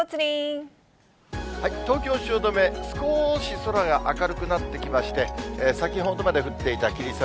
東京・汐留、少し空が明るくなってきまして、先ほどまで降っていた霧雨